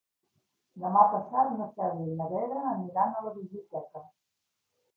Demà passat na Cèlia i na Vera aniran a la biblioteca.